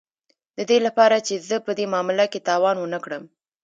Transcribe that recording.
د دې لپاره چې زه په دې معامله کې تاوان ونه کړم